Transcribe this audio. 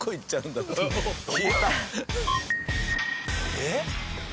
えっ！？